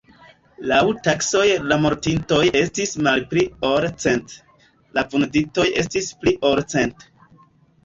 Laŭ taksoj la mortintoj estis malpli ol cent, la vunditoj estis pli ol cent.